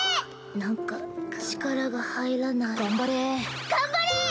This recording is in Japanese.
何か力が入らない頑張れ頑張れ！